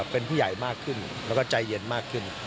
เป็นผู้ใหญ่มากขึ้นแล้วก็ใจเย็นมากขึ้น